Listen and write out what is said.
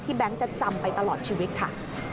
ที่แบงค์จะจำไปตลอดชีวิตค่ะ